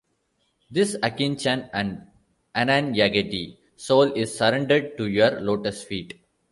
This akinchan and ananyagati soul is surrendered to your Lotus Feet.